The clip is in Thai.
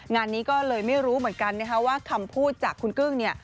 งานนี้ก็เลยไม่รู้เหมือนกันนะคะว่าคำพูดจากคุณกึ้งเนี่ย